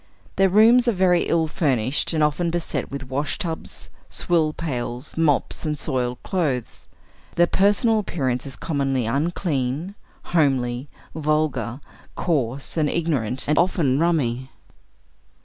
Their rooms are very ill furnished, and often beset with wash tubs, swill pails, mops and soiled clothes; their personal appearance is commonly unclean, homely, vulgar, coarse, and ignorant, and often rummy.